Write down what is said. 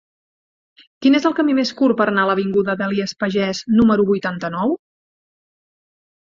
Quin és el camí més curt per anar a l'avinguda d'Elies Pagès número vuitanta-nou?